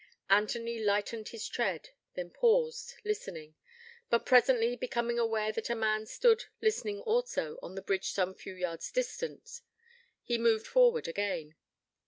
Anthony lightened his tread: then paused, listening; but, presently, becoming aware that a man stood, listening also, on the bridge some few yards distant, he moved forward again.